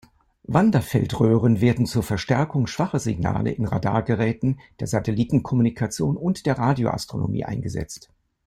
Wanderfeldröhren werden zur Verstärkung schwacher Signale in Radargeräten, der Satellitenkommunikation und der Radioastronomie eingesetzt.